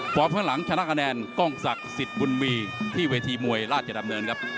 ข้างหลังชนะคะแนนกล้องศักดิ์สิทธิ์บุญมีที่เวทีมวยราชดำเนินครับ